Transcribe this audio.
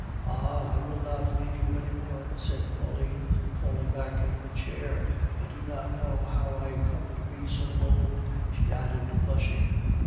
"Ah, I will not leave you any more," said Pauline, falling back in her chair. "I do not know how I come to be so bold!" she added, blushing.